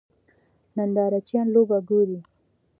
نندارچیان لوبه ګوري.